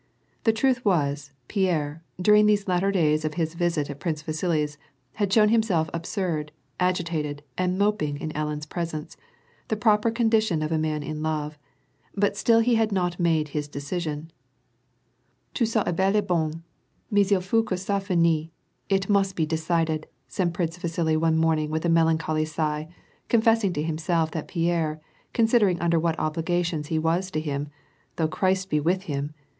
The truth was, l*ierre, during these latter days of his visit at Prince Vasili 's, had shown himself absurd, agitated, and moping in Ellen's presence, — the proper Condition of a maii in love, — but still he had not made his dec laration. *' Tout ^'a est bel et bon, rnais il fuiit que ^•ajinisae — it must be decided,'' said Prince Vasili one morning, with a melancholy sigh, confessing to himself that l*ierre, considering wider what obligations he was to hijn ("though Christ be with him